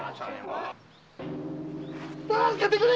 助けてくれ！